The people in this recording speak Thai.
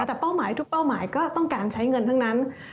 แต่เป้าหมายทุกเป้าหมายก็ต้องการใช้เงินทั้งนั้น